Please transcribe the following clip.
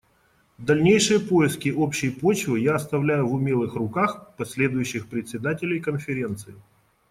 Дальнейшие поиски общей почвы я оставляю в умелых руках последующих председателей Конференции.